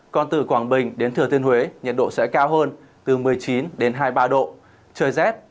còn từ quảng bình đến thừa thiên huế nhiệt độ sẽ cao hơn từ một mươi chín đến hai mươi ba độ trời rét